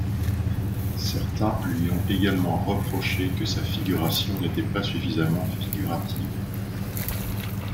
Certains lui ont également reproché que sa figuration n'était pas suffisamment figurative.